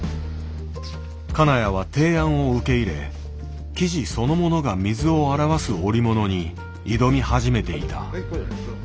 金谷は提案を受け入れ生地そのものが水を表す織物に挑み始めていた。